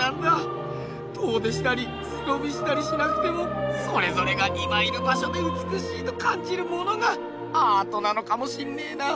遠出したり背のびしたりしなくてもそれぞれが今いる場所で美しいと感じるものがアートなのかもしんねえな。